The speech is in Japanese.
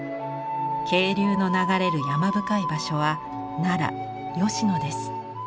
渓流の流れる山深い場所は奈良吉野です。